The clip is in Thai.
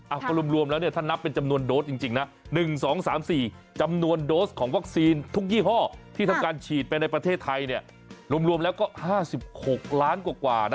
ก็รวมแล้วเนี่ยถ้านับเป็นจำนวนโดสจริงนะ๑๒๓๔จำนวนโดสของวัคซีนทุกยี่ห้อที่ทำการฉีดไปในประเทศไทยเนี่ยรวมแล้วก็๕๖ล้านกว่านะ